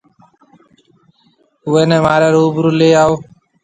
اُوئي نَي مهاريَ روبرو ليَ آئو۔